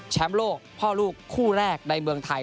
โลกพ่อลูกคู่แรกในเมืองไทย